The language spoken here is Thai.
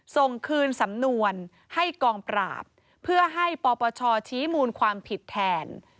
ส่งคืนสำนวนให้กองปราบเพื่อให้ปปชชี้มูลความผิดแทน